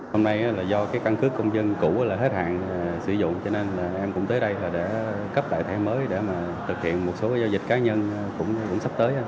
hôm nay do căn cứ công dân cũ hết hạn sử dụng cho nên em cũng tới đây cấp thẻ mới để thực hiện một số giao dịch cá nhân cũng sắp tới